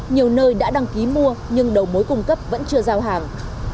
nhiều nơi đã đăng ký mua nhưng đầu mối cung cấp vẫn chưa giao hàng